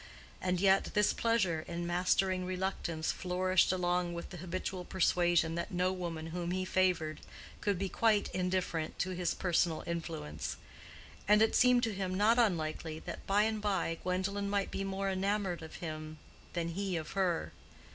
And yet this pleasure in mastering reluctance flourished along with the habitual persuasion that no woman whom he favored could be quite indifferent to his personal influence; and it seemed to him not unlikely that by and by Gwendolen might be more enamored of him than he of her.